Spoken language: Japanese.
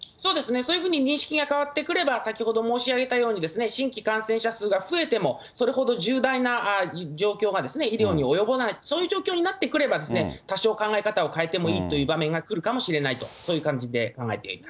そういうふうに認識が変わってくれば、先ほど申し上げたように、新規感染者数が増えても、それほど重大な状況が医療に及ばない、そういう状況になってくれば、多少考え方を変えてもいいという場面が来るかもしれないと、そういう感じで考えています。